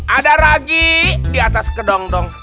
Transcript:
ada ragi di atas kedong dong